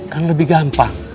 kan lebih gampang